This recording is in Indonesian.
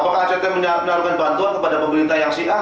apakah act menaruhkan bantuan kepada pemerintah yang siang